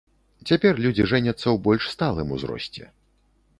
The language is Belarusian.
Цяпер людзі жэняцца ў больш сталым узросце.